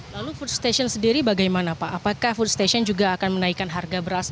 lalu food station sendiri bagaimana pak apakah food station juga akan menaikkan harga beras